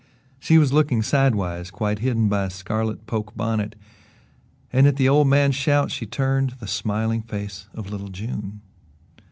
She was looking sidewise, quite hidden by a scarlet poke bonnet, and at the old man's shout she turned the smiling face of little June.